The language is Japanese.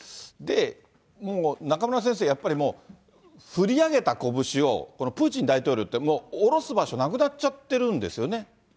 で、中村先生、やっぱりもう、振り上げた拳を、このプーチン大統領って、もう下ろす場所なくなっちゃってるんですよね。